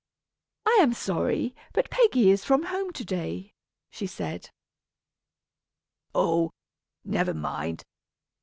"I am sorry, but Peggy is from home to day," she said. "Oh! never mind.